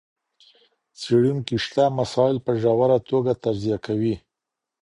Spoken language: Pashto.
څېړونکي شته مسایل په ژوره توګه تجزیه کوي.